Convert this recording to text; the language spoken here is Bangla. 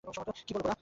কী বল গোরা?